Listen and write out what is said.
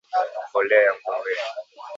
mbolea ya nguruwe